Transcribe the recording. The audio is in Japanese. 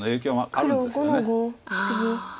黒５の五ツギ。